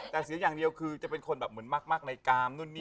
แต่เสียอย่างเดียวคือจะเป็นคนแบบเหมือนมากในกามนู่นนี่